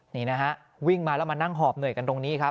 นี่นะฮะวิ่งมาแล้วมานั่งหอบเหนื่อยกันตรงนี้ครับ